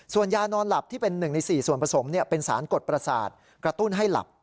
ส่วนยานอนหลับที่เป็น๑ใน๔ส่วนผสมเป็นสารกดประสาทกระตุ้นให้หลับ